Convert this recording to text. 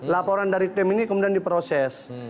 laporan dari tim ini kemudian diproses